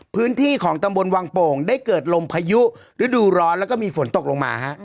พื้นที่ของตำบลวังโป่งได้เกิดลมพายุฤดูร้อนแล้วก็มีฝนตกลงมา